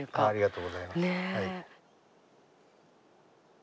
ありがとうございます。